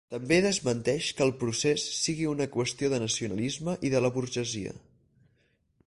També desmenteix que el procés sigui una qüestió de nacionalisme i de la burgesia.